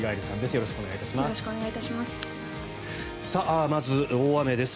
よろしくお願いします。